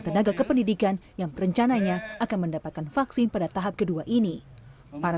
tenaga kependidikan yang berencananya akan mendapatkan vaksin pada tahap kedua ini para